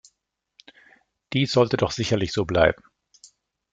Dies sollte doch sicherlich so bleiben.